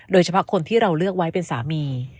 โดยเฉพาะคนที่เราเลือกไว้เป็นสามี